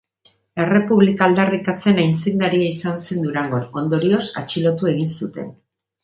Errepublika aldarrikatzen aitzindaria izan zen Durangon; ondorioz, atxilotu egin zuten.